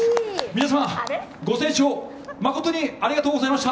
皆様、ご清聴まことにありがとうございました。